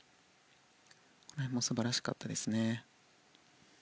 これも素晴らしかったですね。